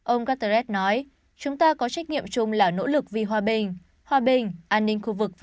ông guterres nói